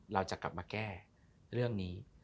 เราจะกลับมาแก้เรื่องนี้